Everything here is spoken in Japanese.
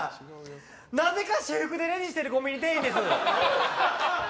なぜか私服でレジしてるコンビニ店員です。